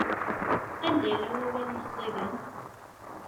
Anda yella wawal-nni aẓidan?